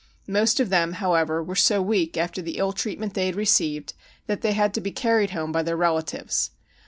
Most of them, however, were so weak after the ill treatment they had received that they had to be carried home by their relatives.